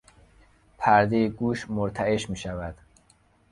پردهی گوش مرتعش میشود.